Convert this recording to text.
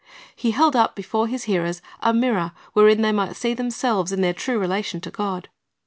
He held up before His hearers a mirror wherein they might see themselves in their true relation to God.